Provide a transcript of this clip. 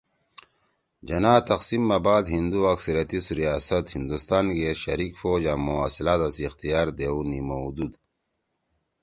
جناح تقسیم ما بعد ہندُو اکثریتی ریاست ”ہندوستان“ گے شریک فوج آں موصلاتا سی اختیار دیؤ نیِمؤدُود